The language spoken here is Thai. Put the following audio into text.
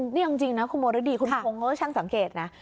นี่จริงนะคุณโมรดิคุณพงษ์ช่างสังเกตนะ